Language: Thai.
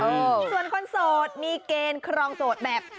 ส่วนคนโสดมีเกณฑ์ครองโสดแบบ